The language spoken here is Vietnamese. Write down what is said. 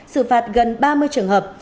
sử phạt gần ba mươi trường hợp